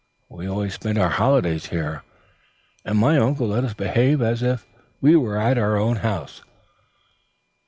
We always spent our holidays here, and my uncle let us behave as if we were at our own house.